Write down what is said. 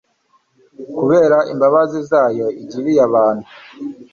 kubera imbabazi zayo igiriye abantu